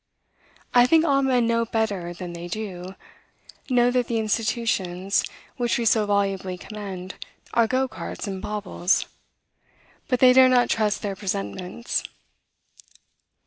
I think all men know better than they do; know that the institutions we so volubly commend are go carts and baubles; but they dare not trust their presentiments.